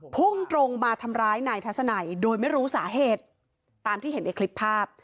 พุ่งตรงมาทำร้ายนายทัศนัยโดยไม่รู้สาเหตุตามที่เห็นในคลิปภาพ